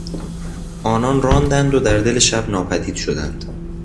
آنان راندند و در دل شب ناپدید شدند.